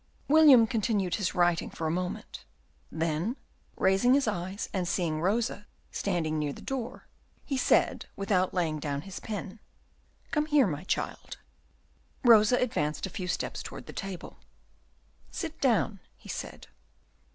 William continued his writing for a moment; then, raising his eyes, and seeing Rosa standing near the door, he said, without laying down his pen, "Come here, my child." Rosa advanced a few steps towards the table. "Sit down," he said.